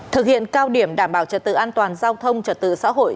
thực hiện cao điểm đảm bảo trật tự an toàn giao thông trật tự xã hội